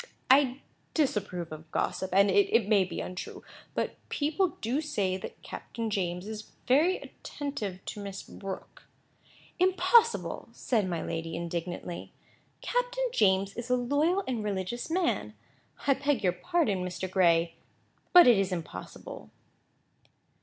"I disapprove of gossip, and it may be untrue; but people do say that Captain James is very attentive to Miss Brooke." "Impossible!" said my lady, indignantly. "Captain James is a loyal and religious man. I beg your pardon Mr. Gray, but it is impossible."